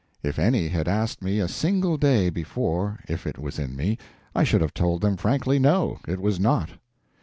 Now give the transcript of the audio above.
If any had asked me a single day before if it was in me, I should have told them frankly no, it was not.